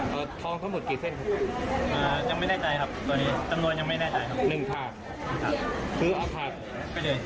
เพราะว่ามันยิงอย่างเงี้ยเนี่ยมีปืนเค้าปืนฟี่แบบนี้